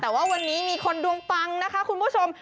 แต่ว่าวันนี้มีคนดวงปังนะคะคุณผู้ชม